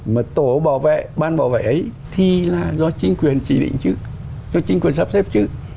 mà tổ bảo vệ ban bảo vệ ấy thì là do chính quyền chỉ định chữ cho chính quyền sắp xếp chứ